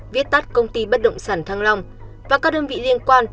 viết tắt công ty bất động sản thăng long và các đơn vị liên quan